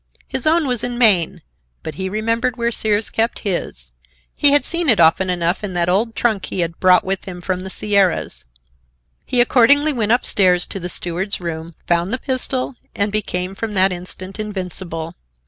His own was in Maine, but he remembered where Sears kept his; he had seen it often enough in that old trunk he had brought with him from the Sierras. He accordingly went up stairs to the steward's room, found the pistol and became from that instant invincible.